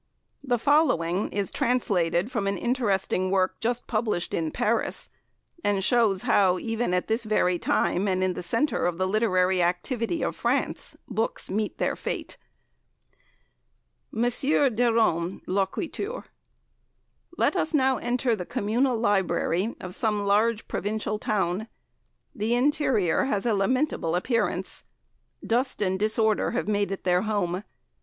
The following is translated from an interesting work just published in Paris, and shows how, even at this very time, and in the centre of the literary activity of France, books meet their fate. Le luxe des Livres par L. Derome. 8vo, Paris, 1879. M. Derome loquitur: "Let us now enter the communal library of some large provincial town. The interior has a lamentable appearance; dust and disorder have made it their home.